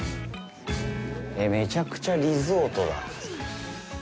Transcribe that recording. めちゃくちゃリゾートだ。